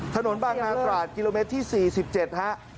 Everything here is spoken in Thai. ถนนบางนาตราดกิโลเมตรที่๔๗ฮะ